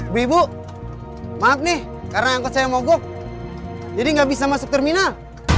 ibu ibu maaf nih karena angkot saya mogok jadi nggak bisa masuk terminal